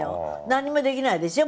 何もできないですよ